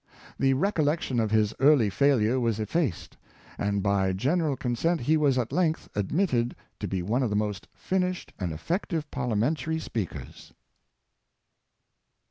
The recollection of his early failure was effaced, and by general consent he was at length admitted to be one of the most fin ished and effective of parliamentary speakers.